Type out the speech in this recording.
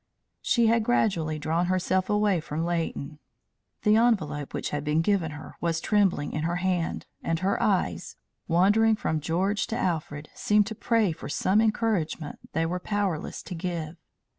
She had gradually drawn herself away from Leighton. The envelope which had been given her was trembling in her hand, and her eyes, wandering from George to Alfred, seemed to pray for some encouragement they were powerless to give.